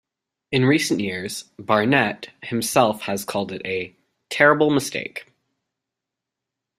In recent years, Barnett himself has called it a "terrible mistake".